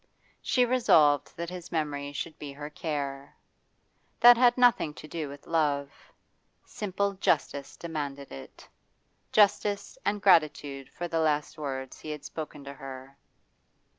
She resolved that his memory should be her care. That had nothing to do with love; simple justice demanded it. Justice and gratitude for the last words he had spoken to her.